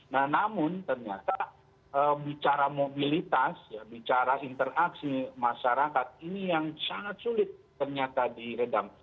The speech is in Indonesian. nah namun ternyata bicara mobilitas ya bicara interaksi masyarakat ini yang sangat sulit ternyata di redam